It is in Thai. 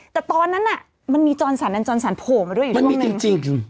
แต่ตอนนั้นน่ะมันมีจรสารนั้นจรสารโผ่มาด้วยอยู่ทุกอย่างหนึ่ง